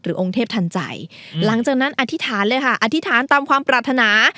องค์เทพทันใจหลังจากนั้นอธิษฐานเลยค่ะอธิษฐานตามความปรารถนา